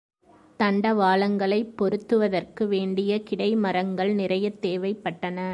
தண்டவாளங்களைப் பொருத்துவதற்கு வேண்டிய கிடை மரங்கள் நிறையத் தேவைப்பட்டன.